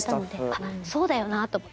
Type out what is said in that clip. あっそうだよなと思って。